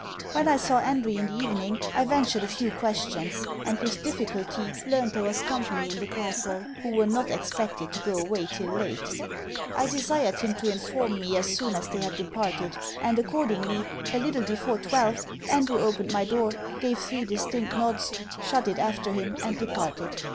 When I saw Andrew in the evening, I ventured a few questions; and, with difficulty, learned there was company in the castle who were not expected to go away till late. I desired him to inform me as soon as they had departed; and, accordingly, a little, before twelve, Andrew opened my door, gave three distinct nods, shut it after him, and departed.